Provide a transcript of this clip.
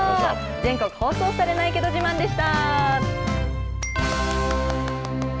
全国放送されないけど自慢でした。